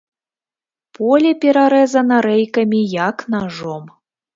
Поле перарэзана рэйкамі, як нажом.